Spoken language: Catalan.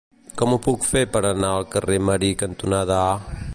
Com ho puc fer per anar al carrer Marí cantonada A?